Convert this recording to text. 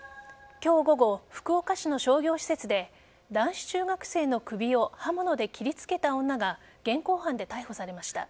今日午後、福岡市の商業施設で男子中学生の首を刃物で切りつけた女が現行犯で逮捕されました。